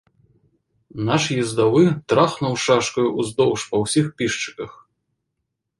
Наш ездавы трахнуў шашкаю ўздоўж па ўсіх пішчыках.